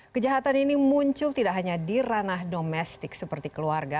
kejahatan ini muncul tidak hanya di ranah domestik seperti keluarga